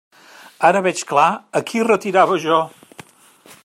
Ara veig clar a qui retirava jo.